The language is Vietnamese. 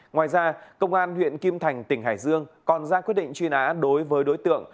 ngoài ra công an huyện kim thành tỉnh hải dương còn ra quyết định truy nã đối với đối tượng